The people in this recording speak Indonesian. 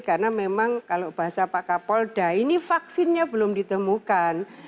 karena memang kalau bahasa pak kapolda ini vaksinnya belum ditemukan